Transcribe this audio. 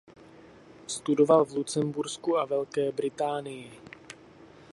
Studoval v Lucembursku a Velké Británii.